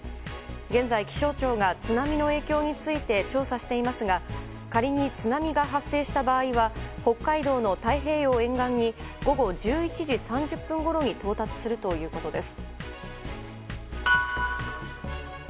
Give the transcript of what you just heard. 現在、気象庁が津波の影響について調査していますが仮に津波が発生した場合は北海道の太平洋沿岸に午後１１時３０分ごろに到達するということです。